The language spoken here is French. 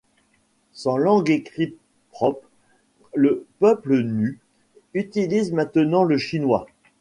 Sans langue écrite propre, le peuple Nu utilise maintenant le chinois.